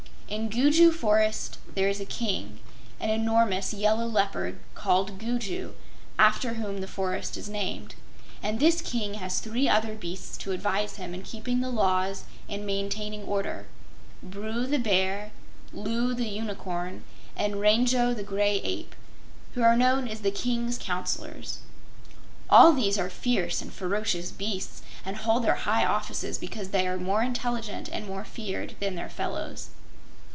In Gugu Forest there is a King an enormous yellow leopard called "Gugu" after whom the forest is named. And this King has three other beasts to advise him in keeping the laws and maintaining order Bru the Bear, Loo the Unicorn and Rango the Gray Ape who are known as the King's Counselors. All these are fierce and ferocious beasts, and hold their high offices because they are more intelligent and more feared then their fellows.